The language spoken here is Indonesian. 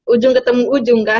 ujung ketemu ujung kan